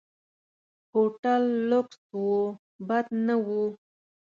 هوټل لکس و، بد نه و.